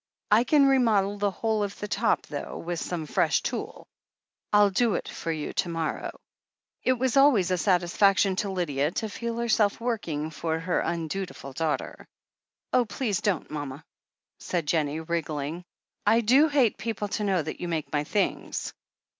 I can remodel the whole of the top, though, with some fresh tulle. Til do it for you to morrow." It was always a satisfaction to Lydia to feel herself working for her undutiful daughter, "Oh, please don't, mama," said Jennie, wriggling. "I do hate people to know that you make my things."